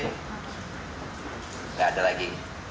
nggak ada lagi